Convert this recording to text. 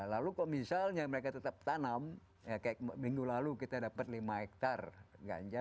lalu kalau misalnya mereka tetap tanam ya kayak minggu lalu kita dapat lima hektare ganja